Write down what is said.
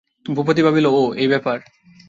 ভূপতি ভাবিল, ওঃ, এই ব্যাপার।